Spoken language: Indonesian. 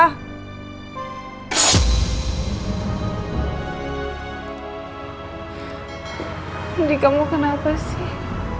andi kamu kenapa sih